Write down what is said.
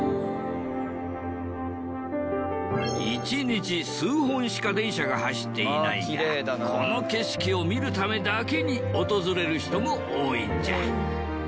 １日数本しか電車が走っていないがこの景色を見るためだけに訪れる人も多いんじゃ。